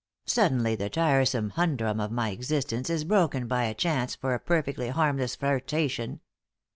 Suddenly the tiresome humdrum of my existence is broken by a chance for a perfectly harmless flirtation.